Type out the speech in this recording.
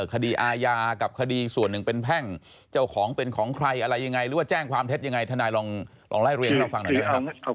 คดีอาญากับคดีส่วนหนึ่งเป็นแพ่งเจ้าของเป็นของใครอะไรยังไงหรือว่าแจ้งความเท็จยังไงทนายลองไล่เรียงให้เราฟังหน่อยนะครับ